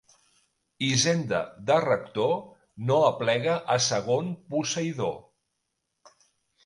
Hisenda de rector no aplega a segon posseïdor.